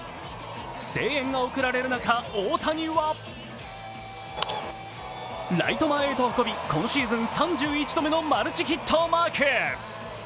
声援が送られる中、大谷はライト前へと運び、今シーズン３１度目のマルチヒットをマーク。